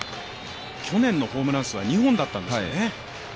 去年のホームラン数は２本だったんですよね。